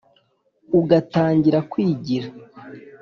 Ugatangira kwigira